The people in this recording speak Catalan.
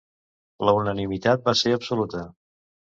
La unanimitat va ser absoluta.